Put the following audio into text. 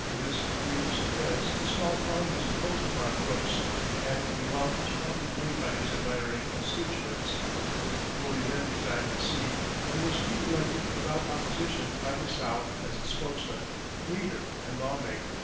For this grievous offence a small fine was imposed upon Brooks, and the amount was promptly paid by his admiring constituents. The bully then resigned his seat, and was re elected without opposition by the South as its spokesman, leader, and law maker.